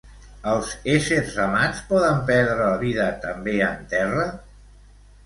Els éssers amats poden perdre la vida també en terra?